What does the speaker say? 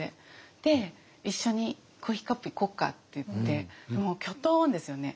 で「一緒にコーヒーカップ行こうか」って言ってもうキョトンですよね。